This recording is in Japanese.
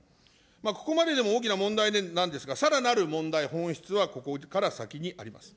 ここまででも大きな問題なんですが、さらなる問題、本質はここから先にあります。